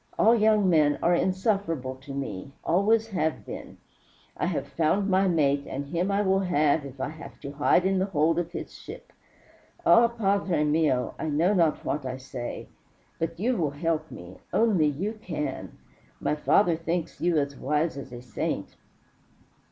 All young men are insufferable to me always have been. I have found my mate, and have him I will if I have to hide in the hold of his ship. Ah, padre mio, I know not what I say. But you will help me. Only you can. My father thinks you as wise as a saint.